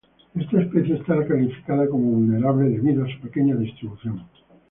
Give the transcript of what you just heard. Esta especie está calificada como vulnerable debido a su pequeña distribución.